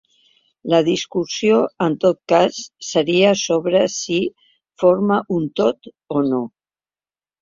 La discussió, en tot cas, seria sobre si forma un tot o no.